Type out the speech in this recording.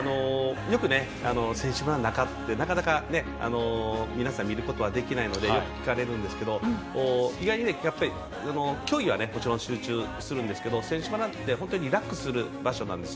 よく選手村の中ってなかなか、皆さん見ることはできないのでよく聞かれるんですけど意外に競技はもちろん集中するんですが選手村って本当にリラックスする場所なんです。